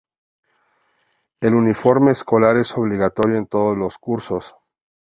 El uniforme escolar es obligatorio en todos los cursos.